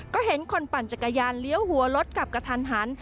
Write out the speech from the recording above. ก็เห็นคนปั่นจักรยานเลี้ยวหัวรถกลับกระทันหัน